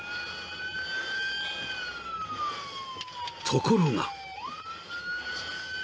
［ところが］